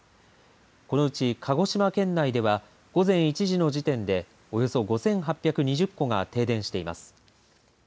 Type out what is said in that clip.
このうち鹿児島県内では午前１時の時点でおよそ５８２０戸が停電しています。